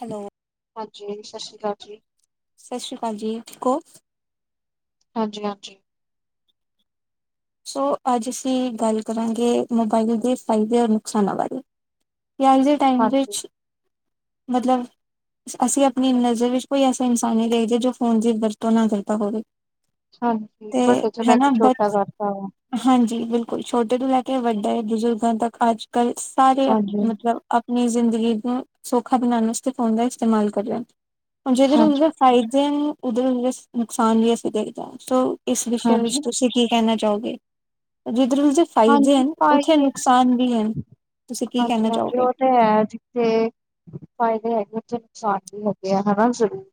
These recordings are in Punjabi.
ਹੈਲੋ। ਹਾਂਜੀ ਸ਼ਾਸ਼ਰੀ ਕਾਲ ਜੀ। ਸ਼ਾਸ਼ਰੀ ਕਾਲ ਜੀ, ਠੀਕ ਓ? ਹਾਂਜੀ-ਹਾਂਜੀ। ਸੋ ਅੱਜ ਅਸੀਂ ਗੱਲ ਕਰਾਂਗੇ ਮੋਬਾਈਲ ਦੇ ਫਾਇਦੇ ਔਰ ਨੁਕਸਾਨਾਂ ਬਾਰੇ। ਜਾਂ ਅੱਜ ਦੇ ਟਾਈਮ ਹਾਂਜੀ, ਵਿੱਚ, ਮਤਲਬ ਅਸੀਂ ਆਪਣੀ ਨਜ਼ਰ ਵਿੱਚ ਕੋਈ ਐਸਾ ਇਨਸਾਨ ਨਈ ਦੇਖਦੇ ਜੋ ਫੋਨ ਦੀ ਵਰਤੋਂ ਨਾ ਕਰਦਾ ਹੋਵੇ। ਹਾਂਜੀ, ਤੇ ਵੱਡੇ ਚ ਲੈ ਹਨਾ ਕੇ ਬਟ ਛੋਟਾ ਕਰਦਾ ਵਾ। ਹਾਂਜੀ ਈ ਬਿਲਕੁਲ ਛੋਟੇ ਤੋਂ ਲੈ ਕੇ ਵੱਡੇ ਬਜ਼ੁਰਗਾਂ ਤੱਕ ਅੱਜ ਕੱਲ੍ਹ ਸਾਰੇ ਏ ਹਾਂਜੀ, ਮਤਲਬ ਆਪਣੀ ਜ਼ਿੰਦਗੀ ਨੂੰ ਸੌਖਾ ਬਣਾਨ ਵਾਸਤੇ ਫੋਨ ਦਾ ਇਸਤੇਮਾਲ ਕਰ ਲੈਣ ਹੁਣ ਹਾਂਜੀ, ਜੇਕਰ ਫਾਇਦੇ ਨੇ ਉਧੋ ਓ ਇਨਵੇਸਟ ਨੁਕਸਾਨ ਨੀ ਅਸੀਂ ਦੇਖਦੇ ਆਂ ਸੋ ਇਸ ਵਿਸ਼ੇ ਵਿੱਚ ਹਾਂਜੀ, ਤੁਸੀਂ ਕੀ ਕੈਨਾ ਚਾਹੋਗੇ ਕੇਨਾ ਗੇ ਓ ਜਿੱਧਰ ਫਾਇਦੇ ਐ ਹਾਂਜੀ ਨੇ ਉੱਥੇ ਫਾਇਦੇ ਨੁਕਸਾਨ ਵੀ ਐ ਤੁਸੀਂ ਕੀ ਕਹਿਣਾ ਚਾਓਗੇ ਏ ਏਹ ਤੇ ਹੈ ਜਿੱਥੇ ਫਾਇਦੇ ਹੈਗੇ ਉਥੇ ਨੁਕਸਾਨ ਵੀ ਹੈਗੇ ਆ ਹਨਾ ਜ਼ਰੂਰ।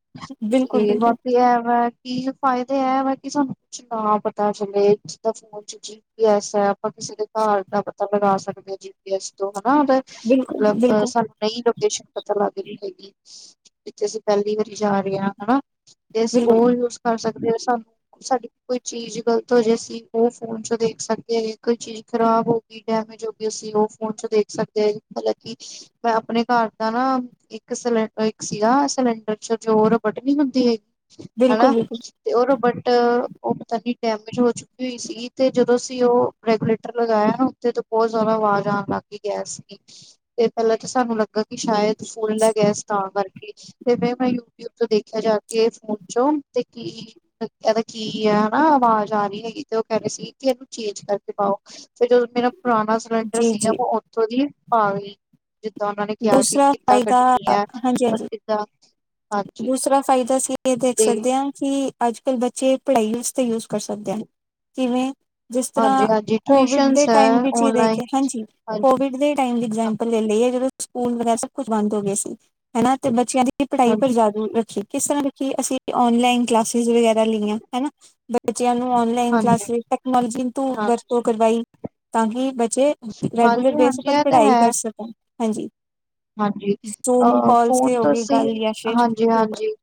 ਬਿਲਕੁਲ ਏ ਬਿਲਕੁਲ ਬਾਕੀ ਐ ਵਾ ਆ ਕੀ ਫਾਇਦੇ ਐ ਇਹ ਵਾ ਕਿ ਸਾਨੂੰ ਕੁਛ ਤਾਂ ਪਤਾ ਚਲੇ ਜਿੱਦਾਂ ਫੋਨ ਚ ਜੀ ਪੀ ਐਸ ਐ ਉਹ ਕਿਸੀ ਕੇ ਘਰ ਦਾ ਪਤਾ ਲਗਾ ਸਕਦੇ ਆਂ ਜੀ ਪੀ ਐਸ ਤੋਂ ਹਨਾ ਬ ਬਿਲਕੁਲ ਮਤਲਬ ਬਿਲਕੁਲ ਸਾ ਨਈ ਲੋਕੇਸ਼ਨ ਪਤਾ ਲੱਗ ਰਈ ਹੈਗੀ ਜਿੱਥੇ ਅਸੀਂ ਪੈਲੀ ਵਾਰੀ ਜਾ ਰਹੇ ਆ ਹਨਾ ਆ ਦੇਸੀਂ ਈ ਬਿਲਕੁਲ ਗੋਣ ਵਿਚ ਕਰ ਸਕਦੇ ਆ ਸਾਨੂੰ ਸਾਡੀ ਕੋਈ ਚੀਜ਼ ਗ਼ਲਤ ਹੋ ਜੇ ਅਸੀਂ ਉਹ ਫੋਨ ਚੋਂ ਦੇਖ ਸਕਦੇ ਹੈਗੇ ਏ ਕੋਈ ਚੀਜ਼ ਖ਼ਰਾਬ ਹੋ ਗੀ, ਡੈਮੇਜ ਹੋ ਗੀ ਅਸੀਂ ਉਹ ਫੋਨ ਚ ਦੇਖ ਸਕਦੇ ਆ ਮਲਬ ਕਿ ਈ ਮੈਂ ਘਰ ਦਾ ਨਾ ਆ ਇੱਕ ਸਿਲਡਰ ਇੱਕ ਸੀਗਾ ਸਿਲੰਡਰ ਚ ਜੋ ਰਬਡ ਨੀ ਹੁੰਦੀ ਹੈਗੀ ਹਨਾ ਬਿਲਕੁਲ ਆ ਬਿਲਕੁਲ ਤੇ ਉਹ ਰਬਟ ਉਹ ਪਤਾਨੀ ਡੈਮੇਜ ਹੋ ਚੁੱਕੀ ਸੀਗੀ ਤੇ ਜਦੋਂ ਸੀ ਉਹ ਰੈਗੂਲੇਟਰ ਲਗਾਇਆ ਨਾ ਉੱਤੇ ਬਹੁਤ ਆਵਾਜ਼ ਆਣ ਲੱਗ ਗੀ ਗੈਸ ਵਿਚ ਤੇ ਪੈਲਾਂ ਤਾਂ ਸਾਨੂੰ ਲੱਗਾ ਕਿ ਸ਼ਾਇਦ ਫੁੱਲ ਐ ਗੈਸ ਤਾਂ ਕਰਕੇਏ ਤੇ ਬਹਿ ਫਾਈ ਯੂਟਿਊਬ ਤੋਂ ਦੇਖਿਆ ਜਾ ਕੇ ਫੋਨ ਚੋਂ ਤੇ ਕੀ ਤਾਡਾ ਕੀ ਐ ਹਨਾ ਆਵਾਜ਼ ਆ ਰਈ ਹੈਗੀ ਤੇ ਉਹ ਕਹਿੰਦੇ ਸੀਗੇ ਕਿ ਚੇਂਜ ਕਰੋ ਪਾਓ ਫੇਰ ਉਸ ਨੇ ਨਾ ਪੁਰਾਣਾ ਸਿਲੰਡਰ ਜੀ ਸੀਗਾ ਜੀ ਮੈਂ ਉਥੋਂ ਦੀ ਪਾ ਗੀ ਜਿੱਦਾਂ ਓਨਾਂ ਨੇ ਕਿਆ ਸੀ ਦੂਸਰਾ ਕਿੱਦਾਂ ਫਾਇਦਾ ਕੱਢਣੀ ਐ ਹਾਂਜੀ ਪਰ ਹਾਂਜੀ ਕਿੱਦਾਂ ਹਾਂਜੀ ਦੂਸਰਾ ਫਾਇਦਾ ਸੀ ਇਹ ਦੇਖ ਤੇ ਸਕਦੇ ਆਂ ਕਿ ਅੱਜ ਕੱਲ੍ਹ ਬੱਚੇ ਪੜ੍ਹਾਈ ਵਸਤੇ ਯੂਜ ਕਰ ਸਕਦੇ ਆ ਕਿਵੇਂ ਏ ਜਿਸ ਤਰ੍ਹਾਂ ਹਾਂਜੀ-ਹਾਂਜੀ ਕੋਵਿਡ ਟਿਊਸ਼ਨਸ ਦੇ ਹੈ ਟਾਈਮ ਵਿੱਚ ਈ ਔਨਲਾਈਨ ਦੇਖੇ ਹਾਜੀ ਈ ਹਾਂਜੀ, ਕੋਵਿਡ ਦੇ ਟਾਈਮ ਦੀ ਹਾਂ, ਇਗਜੈਮਪਲ ਲੈ ਲਈਏ ਜਦੋਂ ਓ ਸਕੂਲ ਵਰੇ ਸਭ ਕੁਛ ਬੰਦ ਹੋ ਗੇ ਸੀ ਹੈਨਾ ਤੇ ਬੱਚਿਆਂ ਦੀ ਪੜ੍ਹਾਈ ਪਰ ਹਾਂਜੀ, ਜਾਗ ਰੱਖੀ ਕਿਸ ਤਰ੍ਹਾਂ ਆ ਕਿ ਅਸੀਂ ਔਨਲਾਈਨ ਕਲਾਸਿਸ ਵਗੈਰਾ ਲਈਆਂ ਹੈਨਾ ਬੱਚਿਆਂ ਨੂੰ ਔਨਲਾਨ ਲਾਈਨ ਹਾਂਜੀ, ਕਲਾਸੀ ਟੈਕਨੋਲੋਜੀ ਧੁ ਹਾਂ ਵਰਤੋਂ ਕਰਵਾਈ ਤਾਂ ਕਿ ਬੱਚੇ ਏ ਰੈਗੂਲਰ ਬੇਸ ਹਾਂਜੀ-ਹਾਂਜੀ ਉੱਪਰ ਇਹ ਤਾਂ ਪੜ੍ਹਾਈ ਹੈ ਕਰ ਸਕਣ ਹਾਂਜੀ। ਹਾਂਜੀ ਜ਼ੂਮ ਅਹ ਕਾਲਸ ਤੇ ਹੋ ਫੋਨਤੋ ਗਈ ਸੀ ਗੱਲ ਤੁਸੀਂ ਜਾਂ ਫਿਰ ਹਾਂਜੀ ਈ ਬਿਲਕੁਲ ਹਾਂਜੀ ਈ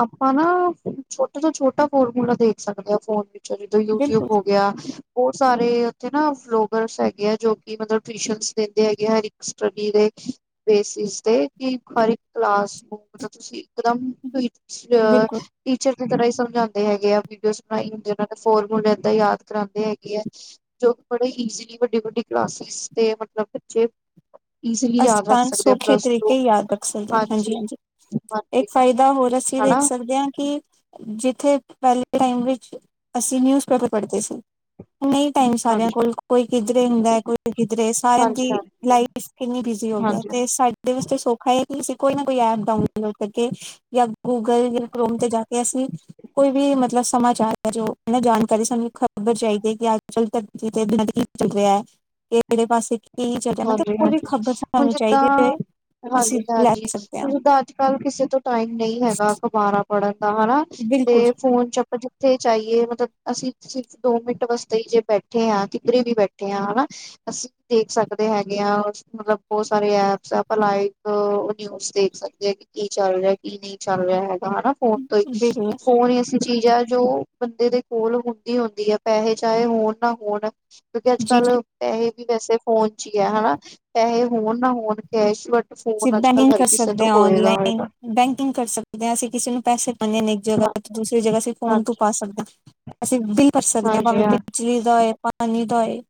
ਆਪਾਂ ਨਾ ਆ ਛੋਟੇ ਤੋਂ ਛੋਟਾ ਫੋਰਮੂਲਾ ਦੇਖ ਸਕਦੇ ਆਂ ਫੋਨ ਤੇ ਯੂਟਿਊਬ ਬਿਲਕੁਲ ਹੋ ਗਿਆ ਉਹ ਸਾਰੇ ਉੱਥੇ ਨਾ ਫਲੋਗਰਸ ਹੈਗੇ ਆ ਜੋ ਕਿ ਮਤਲਬ ਟਿਊਸ਼ਨਜ ਦਿੰਦੇ ਹੈਗੇ ਹਰ ਇੱਕ ਸਟੱਡੀ ਈ ਦੇ ਏ ਬੇਸਿਸ ਤੇ ਕਿ ਪਾ ਪਲਾਸ ਇੱਕਦਮ ਇਸਾ ਆ ਬਿਲਕੁਲ ਟੀਚਰ ਦੀ ਤਰ੍ਹਾਂ ਹੀ ਸਮਝਾਉਂਦੇ ਹੈਗੇ ਐ ਵੀਡੀਓ ਬਣਾਈ ਹੁੰਦੇ ਉਹ ਦੇ ਫੋਰਮੁਲੇ ਇਦਾ ਯਾਦ ਕਰਾਉਂਦੇ ਹੈਗੇ ਐ ਜੋ ਕ ਬੜੇ ਈਜ਼ੀਲੀ ਵੱਡੀ ਵੱਡੀ ਕਲਾਸਿਸ ਤੇ ਮਤਲਬ ਬੱਚੇ ਈਜ਼ੀਲੀ ਯਾਦ ਰੱਖ ਅਨ ਸਕਦੇ ਆ ਸੌਖੇ ਪਲੱਸ ਟੂ ਤਰੀਕੇ ਹੀ ਯਾਦ ਰੱਖ ਸਕਦੇ ਹਨ ਹਾਂਜੀ ਈ ਹਾਂਜੀ ਈ ਹਾਂਜੀ ਇੱਕ ਹਾਂਜੀ ਫਾਇਦਾ ਹੋਰ ਈ ਅਸੀਂ ਵੇਖ ਹਨਾ ਸਕਦੇ ਆ ਕਿ ਈ ਜਿੱਥੇ ਪਹਿਲੇ ਟਾਈਮ ਵਿੱਚ ਅਸੀਂ ਨਿਊਜ਼ ਪੇਪਰ ਪੜ੍ਹਦੇ ਸੀ ਨਹੀਂ ਟਾਈਮ ਸਾਰਿਆਂ ਹਾਂਜੀ ਕੋਲ ਐ ਕੋਈ ਕਿਧਰੇ ਹੁੰਦਾ ਕਿਧਰੇ ਸਾਰਿਆਂ ਹਾਂਜੀ ਦੀ ਹਾਂਜੀ ਲਾਈਫ ਕਿੰਨੀ ਬਿਜੀ ਹੋ ਗਿਆ ਹਾਂਜੀ ਤੇ ਸਾਡੇ ਵਿੱਚ ਸੌਖਾ ਐ ਕਿ ਅਸੀਂ ਕੋਈ ਨਾ ਕੋਈ ਐਪ ਡਾਊਨਲੋਡ ਕਰਕੇ ਏ ਜਾਂ ਗੂਗਲ ਆ ਜਾਂ ਕੋਮ ਤੇ ਜਾ ਕੇ ਅਸੀਂ ਈ ਕੋਈ ਵੀ ਮਤਲਬ ਸਮਾਚਾਰ ਐ ਜਾਣਕਾਰੀ ਸਾਨੂੰ ਖ਼ਬਰ ਚਾਹੀਦੀ ਐ ਕਿ ਧਰਤੀ ਤੇ ਚੱਲ ਰਿਹਾ ਆ ਏ ਕਿਹੜੇ ਪਾਸੇ ਕੀ ਚੱਲ ਰਿਹਾ ਮਤਲਬ ਕੋਈ ਵੀ ਖ਼ਬਰ ਹੁਣ ਸਾਨੂੰ ਜਿੱਦਾਂ, ਚਾਹੀਦੀ ਹੋਏ ਅਸੀਂ ਹਾਂਜੀ- ਲੈ ਹਾਂਜੀ ਸਕਦੇ ਹਾਂ ਹੁਣ ਜਿੱਦਾਂ ਅੱਜ- ਕੱਲ ਕਿਸੇ ਤੋਂ ਟਾਈਮ ਨਈ ਹੈਗਾ ਅਖਬਾਰਾਂ ਪੜ੍ਹਨ ਦਾ ਹਨਾ। ਬਿਲਕੁਲ ਤੇ ਫੋਨ ਚ ਆਪ ਜਿਥੇ ਜਾਈਏ ਮਤਲਬ ਅਸੀਂ ਸਿਰਫ ਦੋ ਮਿੰਟ ਵਾਸਤੇ ਹੀ ਜੇ ਬੈਠੇ ਹਾਂ ਕਿਧਰੇ ਵੀ ਬੈਠੇ ਆ ਹਨਾ। ਅਸੀਂ ਦੇਖ ਸਕਦੇ ਸਕਦੇ ਹੈਗੇ ਆ ਮਤਲਬ ਬਹੁਤ ਸਾਰੇ ਐਪਸ ਆਪਾਂ ਲਾਈਵ ਨਿਊਜ਼ ਦੇਖ ਸਕਦੇ ਹੈਗੇ ਕੀ ਚੱਲ ਰਿਹਾ ਕੀ ਨੀ ਚੱਲ ਰਿਹਾ ਹੈਗਾ ਹਨਾ। ਫੋਨ ਤੋਂ ਹੀ, ਬਿਲਕੁਲ ਫੋਨ ਈ ਐਸੀ ਚੀਜ਼ ਹੈ ਜੋ ਬੰਦੇ ਦੇ ਕੋਲ ਹੁੰਦੀ-ਹੁੰਦੀ ਐ, ਪੈਸੇ ਚਾਹੇ ਹੋਣ ਨਾ ਹੋਣ ਕਿਉਂਕਿ ਜੀ ਅੱਜ-ਕੱਲ ਜੀ ਪੈਸੇ ਵੀ ਵੈਸੇ ਫੋਨ ਚ ਈ ਹੈ ਹਨਾ। ਪੈਸੇ ਹੋਣ ਨਾ ਹੋਣ ਕੈਸ਼ ਵ ਅਸੀਂ ਫੋਨ ਅੱਜ-ਕੱਲ ਬੈਂਕਿੰਗ ਹਰ ਕਰ ਕਿਸੇ ਸਕਦੇ ਤੋ ਹਾਂ ਔਨਲਾਈਨ ਹੋਏਗਾ-ਹੋਏਗਾ। ਬੈਂਕਿੰਗ ਕਰ ਸਕਦੇ ਆ ਅਸੀਂ ਕਿਸੇ ਨੂੰ ਪੈਸੇ ਪਾਉਂਦੇ ਆ ਇੱਕ ਜਗ੍ਹਾ ਤੇ ਦੂਸਰੀ ਜਗ੍ਹਾ ਅਸੀਂ ਫੋਨ ਤੋਂ ਹਾਂਜੀ ਪਾ ਸਕਦੇ ਆ। ਅਸੀਂ ਬਿੱਲ ਭਰ ਸਕਦੇ ਆ, ਹਾਂਜੀ ਭਾਵੇਂ ਹਾਂ ਬਿਜਲੀ ਦਾ ਏ ਪਾਣੀ ਦਾ ਏ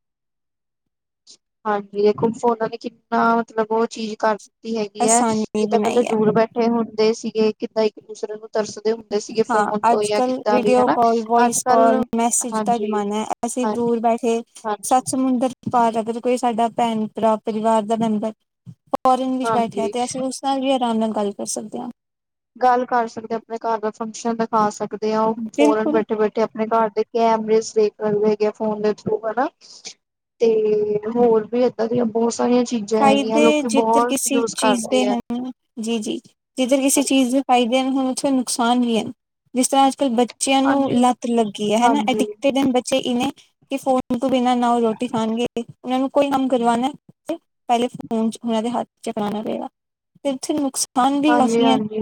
ਹਾਂਜੀ, ਦੇਖੋ ਫੋਨਾ ਨੇ ਕਿੰਨਾ ਮਤਲਬ ਉਹ ਚੀਜ਼ ਕਰ ਕੀਤੀ ਹੈਗੀ ਹੈ। ਆਸਾਨੀ ਜਿੱਦਾਂ ਪਹਿਲਾਂ ਬਣਾਈ ਹੈ ਦੂਰ ਬੈਠੇ ਹੁੰਦੇ ਸੀਗੇ ਕਿੱਦਾਂ ਇੱਕ ਦੂਸਰੇ ਨੂੰ ਤਰਸਦੇ ਹੁੰਦੇ ਸੀਗੇ ਹਾਂ ਫੋਨ ਤੋਂ ਅੱਜ ਜਾਂ ਕੱਲ ਕਿੱਦਾਂ ਵੀ ਵੀਡੀਓ ਹਨਾ ਕਾਲ ਅੱਜ- ਵੋਇਸ ਕਾਲ ਕੱਲ ਮੈਸੇਜ ਦਾ ਹਾਂਜੀ। ਜ਼ਮਾਨਾ ਹੈ ਅਸੀਂ ਦੂਰ ਹਾਂਜੀ ਬੈਠੇ, ਹਾਂਜੀ ਸੱਤ ਸਮੁੰਦਰ ਪਾਰ ਅਗਰ ਕੋਈ ਸਾਡਾ ਭੈਣ-ਭਰਾ ਪਰਿਵਾਰ ਦਾ ਮੈਂਬਰ ਫੋਰਨ ਵਿੱਚ ਬੈਠਿਆ ਹਾਂਜੀ ਤੇ ਅਸੀਂ ਉਸ ਨਾਲ ਵੀ ਆਰਾਮ ਨਾਲ ਗੱਲ ਕਰ ਸਕਦੇ ਆ। ਗੱਲ ਕਰ ਸਕਦੇ ਆ, ਆਪਣੇ ਘਰ ਦਾ ਫੰਕਸ਼ਨ ਦਿਖਾ ਸਕਦੇ ਆ, ਉਹ ਫੋਰਨ ਬਿਲਕੁਲ ਬੈਠੇ- ਬੈਠੇ ਠੇ ਆਪਣੇ ਘਰ ਦੇ ਕੈਮਰੇ ਦੇਖਦੇ ਹੈਗੇ ਫੋਨ ਦੇ ਥਰੂ ਹਨਾ। ਤੇ ਹੋਰ ਵੀ ਇਦਾਂ ਦੀਆਂ ਬਹੁਤ ਸਾਰੀਆਂ ਚੀਜਾ ਹੈਗੀਆਂ ਲੋਕੀ ਬਹੁਤ ਯੂਜ ਕਰਦੇ ਐ। ਜੀ-ਜੀ, ਜਿੱਧਰ ਕਿਸੇ ਚੀਜ਼ ਦੇ ਫਾਈਦੇ ਹੋਣ ਤੁਹਾਨੂੰ ਨੁਕਸਾਨ ਵੀ ਹਨ। ਜਿਸ ਤਰ੍ਹਾਂ ਅੱਜ- ਕੱਲ੍ਹ ਬੱ- ਚਿਆਂ ਨੂੰ ਹਾਂਜੀ। ਲੱਤ ਲੱਗੀ ਐ ਹਨਾ। ਹਾਂਜੀ, ਅਡਿਕਟਡ ਬੱਚੇ ਇਨੇ ਕਿ ਫੋਨ ਤੂੰ ਬਿਨਾਂ ਨਾ ਉਹ ਰੋਟੀ ਖਾਣਗੇ ਇਹਨਾਂ ਨੂੰ ਕੋਈ ਕੰਮ ਕਰਵਾਨਾ ਪਹਿਲੇ ਫੋਨ ਉਹ ਦੇ ਹੱਥ ਚ ਫਰਾਣਾ ਪਏਗਾ। ਤੇ ਇੱਥੇ ਨੁਕਸ- ਹਾਂਜੀ ਹਾਂਜੀ।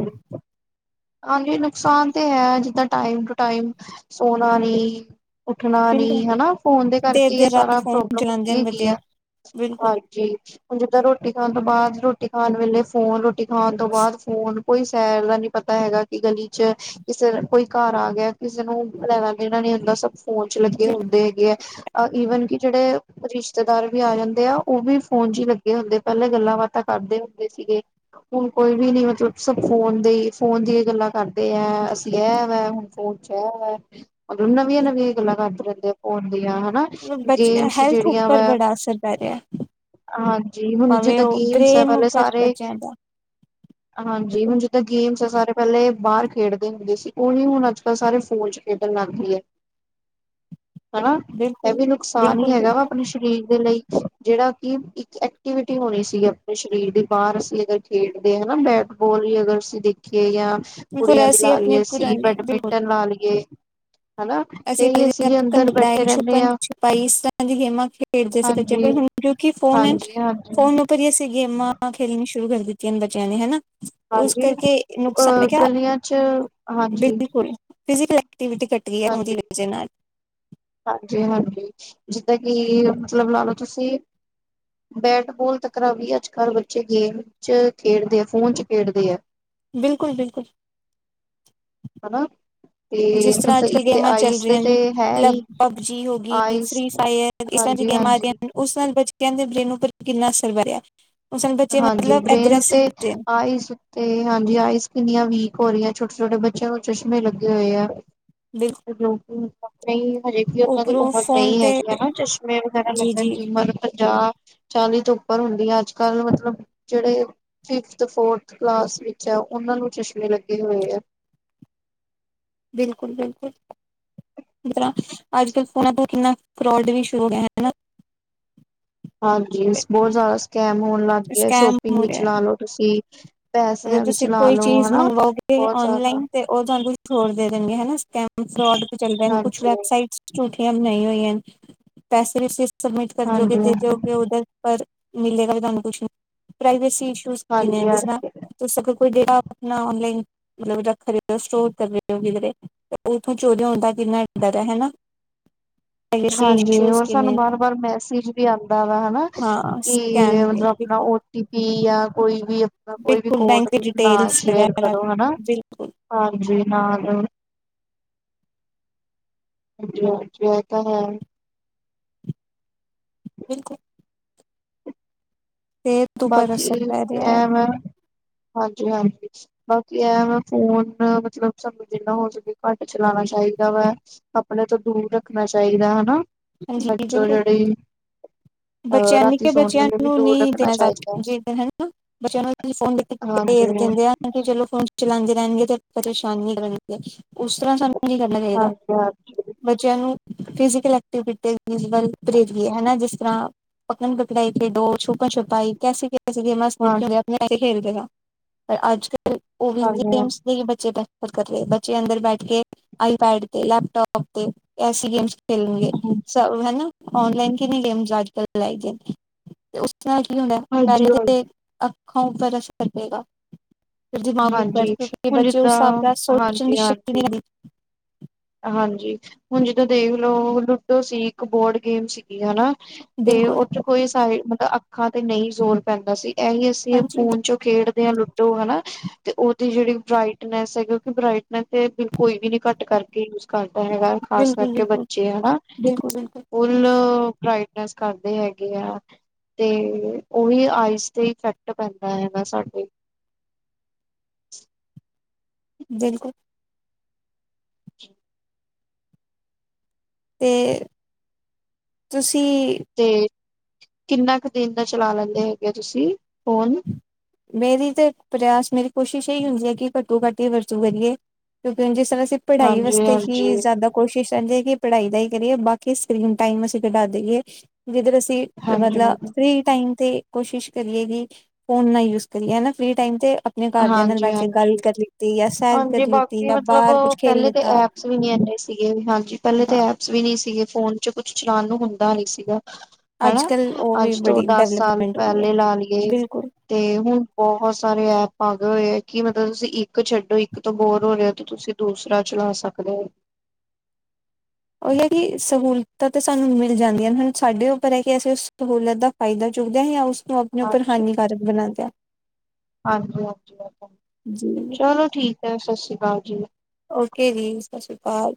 ਹਾਂਜੀ ਨੁਕਸਾਨ ਤੇ ਹੈ ਜਿੱਦਾਂ ਟਾਈਮ ਟੂ ਟਾਈਮ ਸੋਣਾ ਨੀ ਉੱਠਣਾ ਨੀ ਬਿਲਕੁਲ ਹਨਾ। ਫੋਨ ਦੇ ਕਰਕੇ ਇਹ ਦੇਰ-ਦੇਰ ਰਾਤ ਸਾਰਾ ਫੋਨ ਪ੍ਰੋਬਲਮ ਚਲਾਉਂਦੇ ਹੁੰਦੀ ਹਨ ਹੈਗੀ ਐ। ਬੱਚੇ ਬਿਲਕੁਲ ਜੀ, ਹੁਣ ਜਿੱਦਾਂ ਰੋਟੀ ਖਾਣ ਤੋਂ ਬਾਅਦ ਰੋਟੀ ਖਾਣ ਵੇਲੇ ਫੋਨ ਰੋਟੀ ਖਾਣ ਤੋਂ ਬਾਅਦ ਫੋਨ ਕੋਈ ਸੈਰ ਦਾ ਨੀ ਪਤਾ ਹੈਗਾ ਕਿ ਗਲੀ ਚ ਕਿਸੇ ਦਾ ਕੋਈ ਘਰ ਆ ਗਿਆ ਕਿਸੇ ਨੂੰ ਲੈਣਾ-ਦੇਣਾ ਨੀ ਹੁੰਦਾ ਸਭ ਫ਼ੋਨ ਚ ਲੱਗੇ ਹੁੰਦੇ ਹੈਗੇ ਆ, ਈਵਨ ਕਿ ਜਿਹੜੇ ਰਿਸ਼ਤੇਦਾਰ ਵੀ ਆ ਜਾਂਦੇ ਆ, ਉਹ ਵੀ ਫੋਨ ਚ ਈ ਲੱਗੇ ਹੁੰਦੇ ਐ, ਪਹਿਲਾਂ ਗੱਲਾਂ ਬਾਤਾਂ ਕਰਦੇ ਹੁੰਦੇ ਸੀਗੇ। ਹੁਣ ਕੋਈ ਵੀ ਨੀ ਮਤਲਬ, ਸਭ ਫੋਨ ਦੇ ਈ ਫੋਨ ਦੀਆਂ ਗੱਲਾਂ ਕਰਦੇ ਐ, ਅਸੀਂ ਐਵਾ ਹੁਣ ਫੋਨ ਚ ਐ ਵੈ ਮਤਲਬ ਬਿਲਕੁਲ ਨਵੀਆਂ-ਨਵੀਆਂ ਗੱਲਾਂ ਕਰਦੇ ਰਹਿੰਦੇ ਆ ਫੋਨ ਦੀਆਂ ਹਨਾ, ਬੱਚੇ ਗੇਮਸ ਹੈਲਥ ਜਿਹੜੀਆਂ ਉੱਪਰ ਵਾ ਬੜਾ ਅਸਰ ਪੈ ਰਿਹਾ। ਹਾਂਜੀ ਹੁਣ ਭਾਵੇਂ ਜਿੱਦਾਂ ਉਹ ਗੇਮਸ ਐ, ਬ੍ਰੇਨ ਪਹਿਲੇ ਉੱਪਰ ਸਾਰੇ, ਬੱਚਿਆਂ ਦਾ ਹਾਜੀ ਹੁਣ ਜਿੱਦਾਂ ਗੇਮਸ ਆ ਸਾਰੇ ਪਹਿਲੇ ਬਾਹਰ ਖੇਡਦੇ ਹੁੰਦੇ ਸੀ ਉਹੀ ਹੁਣ ਅੱਜ-ਕੱਲ੍ਹ ਸਾਰੇ ਫ਼ੋਨ ਚ ਖੇਡਣ ਲੱਗ ਪਈ ਐ। [inaudible] ਹੈਨਾ। ਇਹ ਬਿਲਕੁਲ ਵੀ ਨੁਕਸਾਨ ਹੀ ਬਿਲਕੁਲ ਹੈਗਾ ਵਾ ਆਪਣੇ ਸਰੀਰ ਦੇ ਲਈ ਜਿਹੜਾ ਕਿ ਇੱਕ ਐਕਟੀਵਿਟੀ ਹੋਣੀ ਸੀਗੀ ਆਪਣੇ ਸਰੀਰ ਦੇ ਬਾਹਰ ਅਸੀਂ ਅਗਰ ਖੇਡਦੇ ਹਨਾ ਬੈਟ ਬੋਲ ਵੀ ਅਗਰ ਅਸੀਂ ਦੇਖੀਏ ਯਾ ਕੋਈ ਐਸੀ ਆਪਣੇ ਪੁਰਾਣੇ ਬਿਲਕੁਲ। ਬਣਾ ਲਈ ਏ। ਅਸੀਂ [unintelligible] ਬੈਠੇ ਰਹਿੰਦੇ ਛੁਪਣ ਹਾਂ ਛੁਪਾਈ ਇਸ ਤਰ੍ਹਾਂ ਦੀਆਂ ਗੇਮਾਂ ਖੇ ਖੇਡਦੇ ਸੀਗੇ ਬੱਚੇ, ਹਾਂਜੀ ਪਰ ਹੁਣ ਕਿਉਂਕਿ ਫੋਨ, ਹਾਂਜੀ ਹਾਂਜੀ ਫੋਨ ਫੋਨ ਤੇ ਵੀ ਅਸੀਂ ਗੇਮਾਂ ਖੇਲਣੀਆਂ ਸ਼ੁਰੂ ਕਰ ਦਿੱਤੀਆਂ ਬੱਚਿਆਂ ਨੇ, ਹੈਨਾ। ਉਸ ਹਾਂਜੀ ਕਰਕੇ ਨੁਕਸਾਨ, ਮੈਂ ਅਹ ਕਿਆ, ਗਲੀਆਂ ਚ ਹਾਂਜੀ ਦਿਖਦੀ ਕੋਈ ਨੀ ਫਿਜ਼ੀਕਲ ਐਕਟੀਵਿਟੀ ਘੱਟੀ ਐ, ਉਹਦੀ ਵਜ੍ਹਾ ਨਾਲ਼। ਹਾਂਜੀ- ਹਾਂਜੀ, ਜਿੱਦਾਂ ਕਿ ਮਤਲਬ ਲਾ ਲੋ, ਤੁਸੀਂ ਬੈਟ ਬੋਲ ਤਕਰਾ ਵੀ ਅੱਜ- ਕੱਲ ਬੱਚੇ ਗੇਮ 'ਚ ਖੇਡਦੇ ਆ, ਫੋਨ 'ਚ ਖੇਡਦੇ ਐ। ਬਿਲਕੁਲ- ਬਿਲਕੁਲ। ਹਨਾ, ਤੇ ਜਿਸ ਤਰ੍ਹਾਂ ਮਤਲਬ ਇੱਕ ਤੇ ਆਈਸ ਤੇ ਤੇ ਹੈ ਈ ਪੱਬਜੀ ਹੋ ਗਈ, ਫ੍ਰੀ ਫਾਇਰ ਇਸ ਤਰ੍ਹਾਂ ਦੀਆਂ ਗੇਮਾਂ ਆ ਹਾਂਜੀ-ਹਾਂਜੀ, ਗਈਆਂ ਉਸ ਨਾਲ਼ ਬੱਚਿਆਂ ਦੇ ਬ੍ਰੇਨ ਉੱਪਰ ਕਿੰਨਾ ਅਸਰ ਪੈ ਰਿਹਾ। ਉਸ ਨਾਲ ਬੱਚੇ ਹਾਂਜੀ ਮਤਲਬ ਬ੍ਰੇਨ ਐਗਰੈਸਿਵ ਉੱਤੇ, ਹੋ ਰਹੇ ਨੇ। ਆਈਸ ਤੇ ਹਾਂਜੀ ਆਈਸ ਕਿੰਨੀਆਂ ਵੀਕ ਹੋ ਰਹੀਆਂ, ਛੋਟੇ- ਛੋਟੇ ਬੱਚਿਆਂ ਨੂੰ ਚਸ਼ਮੇ ਲੱਗੇ ਹੋਏ ਆ ਬਿਲ ਤੇ ਲੋਕੀ ਆਪਣੀ ਹਜੇ ਵੀ ਉਹਨਾਂ ਦੀ ਉਪਰੋਂ ਉਮਰ ਫੋਨ ਨਹੀਂ ਤੇ ਹੈਗੀ ਹੈ ਨਾ ਚਸ਼ਮੇ ਵਗੈਰਾ ਜੀ ਜੀ ਲੱਗਣ ਦੀ ਉਮਰ ਪੰਜਾਹ ਚਾਲੀ ਤੋਂ ਉੱਪਰ ਹੁੰਦੀ ਆ ਅੱਜ- ਕੱਲ ਮਤਲਬ ਜੇੜੇ ਫਿਫਥ, ਫੋਰਥ ਕਲਾਸ ਵਿੱਚ ਐ, ਉਹਨਾਂ ਨੂੰ ਚਸ਼ਮੇ ਲੱਗੇ ਹੋਏ ਆ। ਬਿਲਕੁਲ ਬਿਲਕੁਲ। ਕਿੰਨਾ, ਅੱਜ- ਕੱਲ ਫ਼ੋਨਾਂ ਤੋਂ ਕਿੰਨਾ ਫਰੋਡ ਵੀ ਸ਼ੁਰੂ ਹੋ ਗਿਆ, ਹੈਨਾ ਹਾਂਜੀ ਬਹੁਤ ਜ਼ਿਆਦਾ ਸਕੈਮ ਹੋਣ ਲੱਗ ਗਏ, ਸਕੈਮ ਸ਼ੋਪਿੰਗ ਹੋ ਵਿੱਚ ਰਿਹਾ ਲਾ ਲੋ ਤੁਸੀਂ ਮਤਲਬ ਪੈਸਿਆਂ ਵਿੱਚ ਤੁਸੀਂ ਲਾ ਕੋਈ ਲਓ ਚੀਜ਼ ਹਨਾ ਮੰਗਵਾਓਗੇ ਬਹੁਤ ਜ਼ਿਆਦਾ ਔਨਲਾਈਨ ਤੇ ਉਹ ਤੁਹਾਨੂੰ ਕੁਛ ਹੋਰ ਦੇ ਦੇਣਗੇ ਹਨ ਸਕੈਮ ਫਰੋਡ ਚੱਲਦਾ ਨੀ ਕੁਛ ਹਾਂਜੀ ਵੈੱਬਸਾਈਟਸ ਝੂਠੀਆਂ ਬਣਾਈਆਂ ਹੋਈਆਂ ਨੇ, ਪੈਸੇ ਵੀ ਤੁਸੀਂ ਸਮਬਿਟ ਕਰ ਜੋਗੇ, ਹਾਂਜੀ ਦੇਜੋਗੇ ਉਹਦਾ ਪਰ, ਮਿਲੇਗਾ ਵੀ ਤਾਨੂੰ ਕੁਛ ਨੀ, ਪ੍ਰਾਈਵੇਸੀ ਇਸ਼ੂ ਕਿੰਨੇ ਹਾਂਜੀ ਹਾਂਜੀ ਜਿਸ ਹਾਂਜੀ ਤਰ੍ਹਾਂ ਤੁਸੀ ਅਗਰ ਜੇੜਾ ਆਪਣਾ ਲਿੰਕ ਮਤਲਬ ਖਰੀਦੋ ਸਟੋਰ ਕਰ ਰਹੇ ਓ ਉਥੋਂ ਚੋਰੀ ਹੋਣ ਦਾ ਕਿੰਨਾ ਡਰ ਐ ਹੈਨਾ ਹਾਂਜੀ, ਹੋਰ ਸਾਨੂੰ ਵਾਰ- ਵਾਰ ਮੈਸੇਜ ਵੀ ਆਂਦਾ ਵਾ ਹਨਾ ਹਾਂ ਕਿ ਸਕੈਨ ਤੇ ਮਤਲਬ ਆਪਣਾ ਬਿਲਕੁਲ ਓ ਟੀ ਪੀ ਜਾਂ ਕੋਈ ਵੀ ਅਪ ਕੋਈ ਵੀ ਬਿਲਕੁਲ ਕੋਡ ਬੈਂਕ ਦੀ ਨਾ ਡਿਟੇਲਸ ਸ਼ੇਅਰ ਵਗੈਰਾ ਕਰੋ ਹਨਾ, ਬਿਲਕੁਲ ਹਾਂਜੀ ਨਾਲ ਓ ਹਾਂਜੀ- ਹਾਂਜੀ ਇਹ ਤਾਂ ਹੈ। ਬਿਲਕੁਲ। ਫੇਰ ਬਾਕੀ ਟੈਮ, ਹਾਂਜੀ- ਹਾਂਜੀ। ਬਾਕੀ ਐਹ ਵੈਂ ਫੋਨ ਮਤਲਬ ਸਾਨੂੰ ਜਿੰਨਾ ਹੋ ਸਕੇ ਘੱਟ ਚਲਾਣਾ ਚਾਹੀਦਾ ਵਾ। ਆਪਣੇ ਤੋਂ ਦੂਰ ਰੱਖਣਾ ਚਾਈਦਾ ਹਨਾ ਹਾਂਜੀ ਬੱਚੋਂ ਬੋਲੋ, ਜਿਹੜੀ ਅਹ ਬੱਚਿਆਂ ਲਈ, ਰਾਤੀ ਸੌਣ ਬੱਚਿਆਂ ਵੇਲੇ ਵੀ ਨੂੰ ਦੂਰ ਨੀ ਤੇ ਰੱਖਣਾ ਅੱਜ ਚਾਹੀਦਾ ਜੇ ਹੈ ਨਾ, ਬੱਚਿਆ ਨੂੰ ਫੋਨ ਕਰਕੇ ਭੇਜ ਹਾਂਜੀ ਦਿੰਦੇ ਹਨ ਕਿ ਚਲੋ ਫੋਨ ਚਲਾਉਂਦੇ ਰਹਿਣਗੇ ਤੇ, ਪਰੇਸ਼ਾਨ ਨੀ ਕਰਣਗੇ, ਉਸ ਤਰ੍ਹਾਂ ਸਾਨੂੰ ਹੁਣ ਕੀ ਕਰਨਾ ਚਾਹੀਦਾ, ਹਾਂਜੀ ਹਾਂਜੀ ਬੱਚਿਆਂ ਨੂੰ ਫਿਜਿਕਲ ਐਕਟ ਅਟੇ ਬਿਟੇ [unintelligible] ਵੀ ਹਨਾ, ਜਿਸ ਤਰ੍ਹਾਂ। ਪਕੜਣ -ਪਕੜਾਈ ਖੇਡੋ, ਛੁਪਨ -ਛੁਪਾਈ ਕੈੇਸੇ ਕੈ ਬੁਕਸ 'ਚ ਜੇੜੀਆਂ ਗੇਮਾਂ ਹਾਂ ਲਿਖੀਆਂ ਹੁੰਦੀਆ ਉਹੀ ਖੇਡਦੇ ਆਂ, ਪਰ ਅੱਜ- ਕੱਲ ਉਹ ਹੀ ਹਾਂਜੀ ਹਾਂਜੀ ਗੇਮਸ। ਨਹੀ ਬੱਚੇ ਪ੍ਰੈਫਰ ਕਰ ਰਹੇ। ਬੱਚੇ ਅੰਦਰ ਬੈਠ ਕੇ, ਆਈ-ਪੈਡ ਤੇ, ਲੈਪ-ਟੋਪ ਤੇ, ਐਂਸੀ ਗੇਮਸ ਖੇਲੇ ਗੇ ਹਮ [inaudible] [inaudible] ਚਲੋ ਹਨਾ, ਔਨਲਾਈਨ ਕਿਨੀਂ ਗੇਮਸ ਅੱਜ ਕੱਲ੍ਹ [unintelligible] ਲਈਕ ਏ ਚਲ ਵੀ ਹੁਣ ਹਾਂਜੀ ਹਾਂਜੀ ਪਹਿਲੇ ਤੇ ਅੱਖਾਂ-ਉਖਾ ਉੱਪਰ ਅਸਰ ਪਏਗਾ ਦਿਮਾਗ ਉੱਪਰ ਹਾਂਜੀ ਕਿਉਂਕਿ, ਹੁਣ ਬੱਚੇ ਉਸ ਜਿੱਦਾਂ ਹਿਸਾਬ ਨਾਲ ਸੋਚਣ ਦੀ ਹਾਂਜੀ ਸ਼ਕਤੀ ਹਾਂਜੀ ਨਈ ਹੈਗੀ। ਹਾਂਜੀ, ਹੁਣ ਜਿੱਦਾਂ ਦੇਖ ਲੋ ਲੂਡੋ ਸੀ, ਇੱਕ ਬੋਰਡ ਗੇਮ ਸੀ। ਏ ਹਨਾ, ਤੇ ਬਿਲਕੁਲ ਉਦੇ 'ਚ ਕੋਈ ਸਾਈਡ, ਅੱਖਾਂ ਤੇ ਨਹੀ ਜ਼ੋਰ ਪੈਂਦਾ ਸੀ ਇਹੀ ਤੇ ਹਾਂਜੀ ਫੋਨ ਚੋਂ, ਖੇਡਦੇ ਆ ਲੁਡੋ ਹਨਾ ਤੇ ਉਹਦੀ ਜਿਹੜੀ ਬ੍ਰਈਟਨੈੱਸ ਹੈ, ਕਿਉਂਕਿ, ਬ੍ਰਈਟਨੈੱਸ ਤੇ ਬਿਲਕੁਲ ਕੋਈ ਵੀ ਨੀ ਘੱਟ ਕਰ ਕੀ ਯੂਜ਼ ਕਰਦਾ ਹੈਗਾ, ਖਾਸ ਬਿਲਕੁਲ ਕਰਕੇ ਬਿਲਕੁਲ ਬੱਚੇ ਹਨਾ। ਬਿਲਕੁਲ ਬਿਲਕੁਲ ਫੁੱਲ, ਬ੍ਰਾਈਟਨੈਸ ਕਰਦੇ ਹੈਗੇ ਆ ਤੇ ਉਹੀ, ਆਈਸ ਤੇ ਇਫੈ਼ਕਟ ਪੈਂਦਾ ਹੈਗਾ ਸਾਡੇ ਬਿਲਕੁੱਲ। ਤੇ, ਤੁਸੀ ਤੇ, ਕਿੰਨਾ ਕੁ ਦਿਨ ਦਾ ਚਲਾ ਲੈਂਦੇ ਹੈਗੇ, ਤੁਸੀਂ ਫੋਨ ਨਈ ਨਈ ਤੇ ਪ੍ਰਯਾਸ, ਮੇਰੀ ਕੋਸ਼ਿਸ਼ ਇਹੀ ਹੁੰਦੀ ਹੈ ਕਿ, ਘੱਟੋ-ਘੱਟ ਹੀ ਵਰਤੋਂ ਕਰੀਏ ਕਿਉਂਕਿ, ਜਿਸ ਤਰ੍ਹਾਂ ਅਸੀਂ ਪੜ੍ਹਾਈ ਹਾਂਜੀ ਵਾਸਤੇ ਹੀ ਹਾਂਜੀ ਜ਼ਿਆਦਾ ਕੋਸ਼ਿਸ਼ ਰਹਿੰਦੀ ਕਿ ਪੜ੍ਹਾਈ ਦਾ ਹੀ ਕਰੀਏ, ਬਾਕੀ ਸਕਰੀਨ ਟਾਈਮ, ਅਸੀ ਘਟਾ ਦਈ ਏ ਜਿੱਧਰ ਅਸੀ ਹਾਂਜੀ ਮਤਲਬ ਹਾਂਜੀ ਫ੍ਰਰੀ ਟਾਈਮ ਤੇ, ਕੋਸ਼ਿਸ਼ ਕਰੀਏ ਵੀ ਫੋਨ ਨਾ ਯੂਜ਼ ਕਰੀਏ ਐ ਨਾ, ਫਰੀ ਟਾਈਮ ਤੇ ਆਪਣੇ, ਘਰਦਿਆਂ ਨਾਲ ਹਾਂਜੀ ਬੈਠ ਕੇ, ਗੱਲ ਹਾਂਜੀ ਕਰ ਲਿੱਤੀ ਜਾਂ ਸੈਰ ਕਰ ਹਾਂਜੀ ਲਿੱਤੀ, ਜਾਂ ਬਾਹਰ ਕੁਛ ਖੇਲ ਲਿੱਤਾ ਸੀਨਿਅਰ ਵੀ ਨਈ ਸੀਗੇ, ਹਾਂਜੀ ਪਹਿਲੇ ਹਾਂ ਤਾਂ ਐ ਕੁਛ ਵੀ ਨਈ ਸੀਗੇ, ਫੋਨ ਚ ਕੁਛ ਚਲਾਉਣ ਨੂੰ ਹੁੰਦਾ ਨੀ, ਸੀਗਾ ਅੱਜ ਹਨਾ, ਕੱਲ ਉਹ ਵੀ ਅੱਜ ਤੋਂ ਬੜੀ ਦਸ ਸਾਲ ਡਿਵਲਪਮੈਂਟ ਹੋ ਗਈ ਹੈ ਪਹਿਲੇ, ਲਾ ਲਈਏ ਬਿਲਕੁਲ ਤੇ ਹੁਣ, ਬਹੁਤ ਸਾਰੇ ਐਂਪ ਆ ਗਏ ਹੋਏ ਹੈ ਕਿ, ਮਤਲਬ ਤੁਸੀ ਇੱਕ ਛੱਡੋ, ਇੱਕ ਤੋਂ ਬੋਰ ਹੋ ਰਹੇ ਹੋ, ਤੇ ਤੁਸੀਂ ਦੂਸਰਾ, ਚਲਾ ਸਕਦੇ ਹੋ ਉਹੀ ਹੈ ਕਿ, ਸਹੂਲਤਾਂ ਤੇ ਸਾਨੂੰ ਮਿਲ ਜਾਂਦੀਆਂ ਨੇ, ਹੁਣ ਸਾਡੇ ਉੱਪਰ ਹੈ ਕਿ, ਅਸੀ ਉਸ ਸਹੂਲਤ ਦਾ ਫਾਇਦਾ ਚੁੱਕਦਿਆਂ ਹੀ, ਉਸ ਤੋਂ ਆਪਣੇ ਉੱਪਰ ਹਾਨੀਕਾਰਕ, ਬਣਾਦਾ ਹਾਂਜੀ-ਹਾਂਜੀ, ਚਲੋ ਠੀਕ ਹੈ ਸਤਿ ਸ੍ਰੀ ਅਕਾਲ ਜੀ। ਓਕੇ ਜੀ, ਸਤਿ ਸ਼੍ਰੀ ਅਕਾਲ।